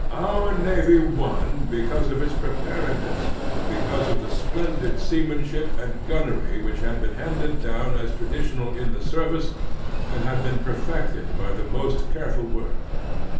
Oiu* navy won because of its preparedness and because of the splendid seaman ship and gunnery which had been handed down as traditional in the service, and had been perfected by the most careful work.